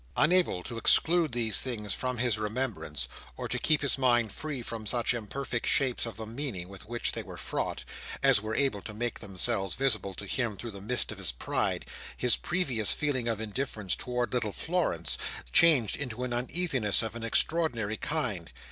Unable to exclude these things from his remembrance, or to keep his mind free from such imperfect shapes of the meaning with which they were fraught, as were able to make themselves visible to him through the mist of his pride, his previous feeling of indifference towards little Florence changed into an uneasiness of an extraordinary kind.